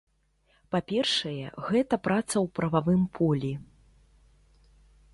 Па-першае, гэта праца ў прававым полі.